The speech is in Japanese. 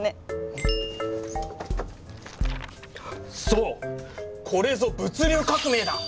そうこれぞ物流革命だ！